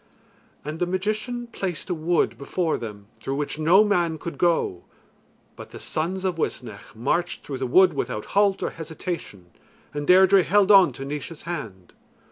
And the magician placed a wood before them through which no man could go, but the sons of Uisnech marched through the wood without halt or hesitation, and Deirdre held on to Naois's hand.